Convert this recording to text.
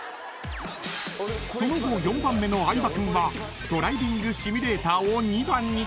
［その後４番目の相葉君はドライビングシミュレーターを２番に］